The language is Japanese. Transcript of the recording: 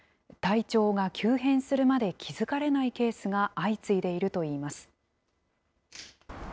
体調が急変するまで気付かれないケースが相次いでいるといいます。